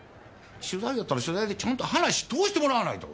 取材だったら取材でちゃんと話通してもらわないと！